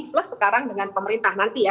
plus sekarang dengan pemerintah nanti ya